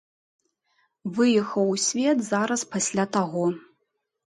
Выехаў у свет зараз пасля таго.